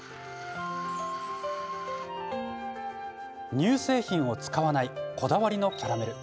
乳製品を使わないこだわりのキャラメル。